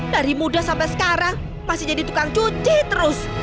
dari muda sampai sekarang masih jadi tukang cuci terus